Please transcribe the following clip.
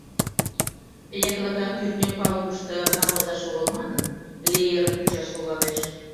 Яклака кӱртньӧ палубышто камвозаш огыл манын, леерым кучаш логалеш.